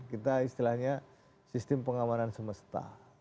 kita istilahnya sistem pengamanan semesta